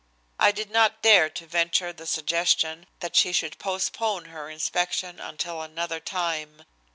But I did not dare to venture the suggestion that she should postpone her inspection until another time.